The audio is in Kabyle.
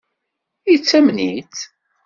Yettamen-itt?